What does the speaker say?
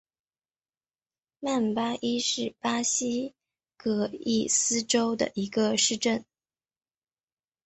曼巴伊是巴西戈亚斯州的一个市镇。